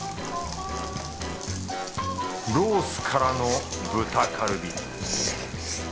ロースからの豚カルビ。